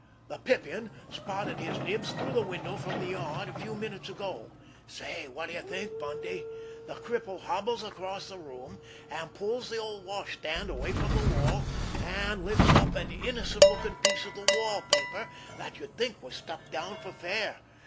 The Pippin spotted his nibs through the window from the yard a few minutes ago. Say, what do you think, Bundy! The cripple hobbles across the room, and pulls the old washstand away from the wall, and lifts up an innocent looking piece of the wall paper that you'd think was stuck down for fair.